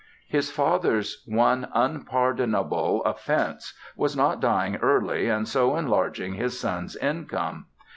'" His father's one unpardonable offense was not dying early and so enlarging his son's income.